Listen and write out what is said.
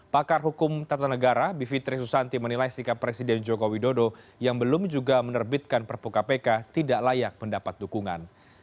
pakar hukum tata negara bivitri susanti menilai sikap presiden joko widodo yang belum juga menerbitkan perpuka pk tidak layak mendapat dukungan